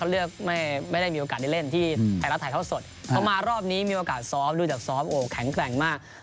แต่ว่าสุพรรรณเนี่ยโหมาแรงมาก